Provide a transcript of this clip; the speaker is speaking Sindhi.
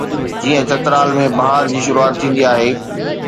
جيئن چترال ۾ بهار جي شروعات ٿيندي آهي